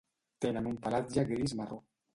Tenen un pelatge gris-marró.